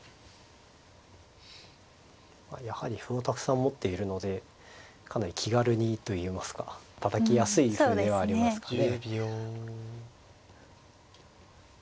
やはり歩をたくさん持っているのでかなり気軽にといいますかたたきやすい攻めはありますかね。